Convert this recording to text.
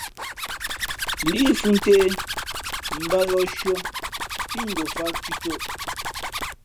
Líʼ fhʉ̄ ntē mbāt yōh shʉ̄ᾱ pí ngofāt cʉ̄cǒ.